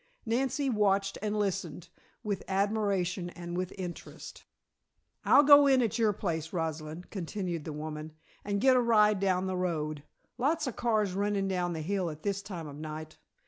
Nancy watched and listened, with admiration and with interest. "I'll go in at your place, Rosalind," continued the woman, "and get a ride down the road. Lots of cars running down the hill at this time of night.